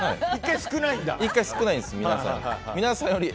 １回少ないんです、皆さんより。